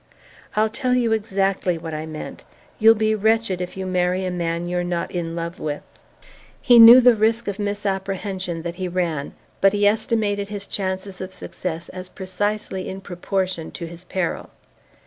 "I'll tell you exactly what I meant. You'll be wretched if you marry a man you're not in love with." He knew the risk of misapprehension that he ran, but he estimated his chances of success as precisely in proportion to his peril.